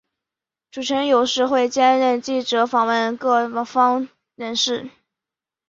主持人有时会兼任记者访问各方人士。